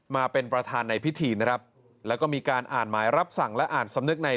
มาเป็นประธานในพิธีนะครับแล้วก็มีการอ่านหมายรับสั่งและอ่านสำนึกใน